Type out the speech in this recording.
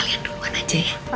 kalian duluan aja ya